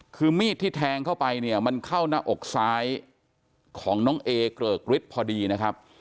คือมีดที่แทงเข้าไปเนี่ยมันเข้าหน้าอกซ้ายของน้องเอเกริกฤทธิ์พอดีนะครับ